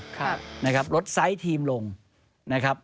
ครับ